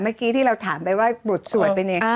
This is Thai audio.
เมื่อกี้ที่เราถามไปว่าบทสวดเป็นยังไง